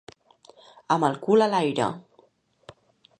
Amb el cul a l'aire.